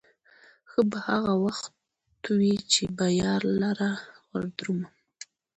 ښه به هغه وخت وي، چې به يار لره وردرومم